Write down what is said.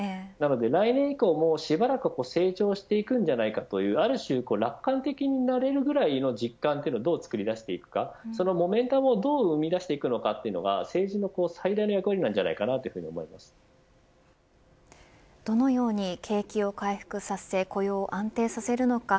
来年以降もしばらく成長していくんじゃないかというある種、楽観的になれるぐらいの実感をどう作り出していくかそのモメンタムをどう生み出していくのかがどのように景気を回復させ雇用を安定させるのか。